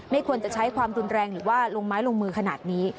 ไม่ควรจะใช้ความรุนแรงหรือว่าลงไม้ลงมือขนาดนี้